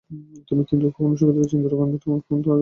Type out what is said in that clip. তুমি কি ইঁদুর কখনো শুঁকে দেখেছ যে, ইঁদুরের গন্ধ কেমন তা জোন?